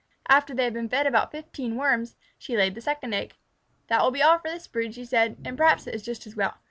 After they had been fed with about fifteen Worms, she laid the second egg. "That will be all for this brood," she said, "and perhaps it is just as well.